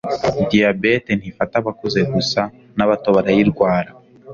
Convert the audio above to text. diabete ntifata abakuze gusa nabatobarayirwara